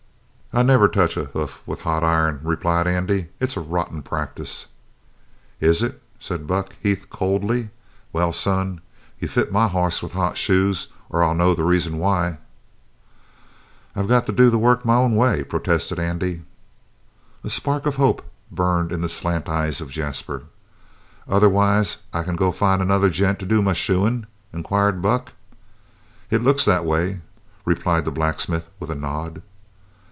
"I never touch a hoof with hot iron," replied Andy. "It's a rotten practice." "Is it?" said Buck Heath coldly. "Well, son, you fit my hoss with hot shoes or I'll know the reason why." "I've got to do the work my own way," protested Andy. A spark of hope burned in the slant eyes of Jasper. "Otherwise I can go find another gent to do my shoein'?" inquired Buck. "It looks that way," replied the blacksmith with a nod.